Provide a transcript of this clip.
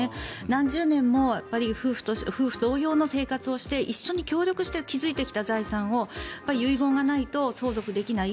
何十年も夫婦同様の生活をして一緒に協力して築いてきた財産を遺言がないと相続できない。